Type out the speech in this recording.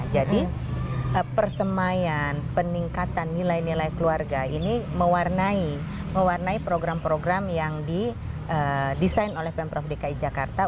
jadi persemaian peningkatan nilai nilai keluarga ini mewarnai program program yang di desain oleh pemprov dki jakarta